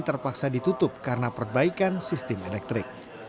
terpaksa ditutup karena perbaikan sistem elektrik